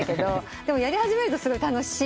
でもやり始めるとすごい楽しい。